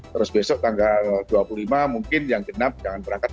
terus besok tanggal dua puluh lima mungkin yang genap jangan berangkat